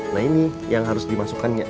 nah ini yang harus dimasukkannya